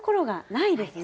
ないですね。